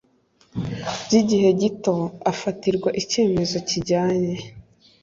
by igihe gito afatirwa icyemezo kijyanye